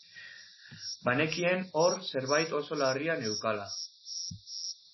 Banekien hor zerbait oso larria neukala.